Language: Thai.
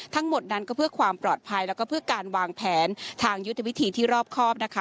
ทั้งหมดนั้นก็เพื่อความปลอดภัยแล้วก็เพื่อการวางแผนทางยุทธวิธีที่รอบครอบนะคะ